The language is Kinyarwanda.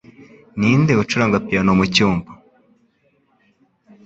Ninde ucuranga piyano mucyumba?